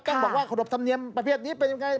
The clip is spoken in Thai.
ต้องบอกว่าขนบธรรมเนียมประเภทนี้เป็นยังไง